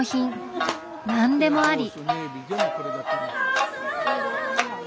何でもあり。